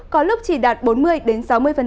có lúc chỉ đạt bốn mươi đến sáu mươi